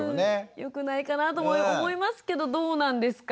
よくないかなと思いますけどどうなんですか？